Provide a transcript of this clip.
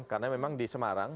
karena memang di semarang